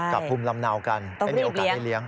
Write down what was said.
ภูมิลำเนากันไม่มีโอกาสได้เลี้ยง